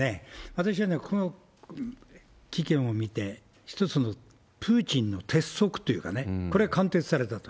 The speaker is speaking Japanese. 私はね、この事件を見て、一つのプーチンの鉄則というかね、これは貫徹されたと。